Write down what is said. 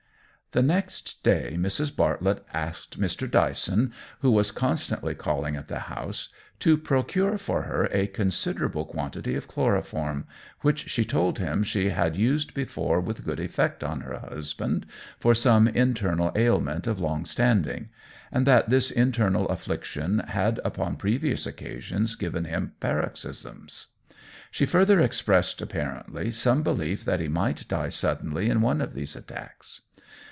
The next day Mrs. Bartlett asked Mr. Dyson, who was constantly calling at the house, to procure for her a considerable quantity of chloroform, which she told him she had used before with good effect on her husband for some internal ailment of long standing, and that this internal affliction had upon previous occasions given him paroxysms. She further expressed apparently some belief that he might die suddenly in one of these attacks.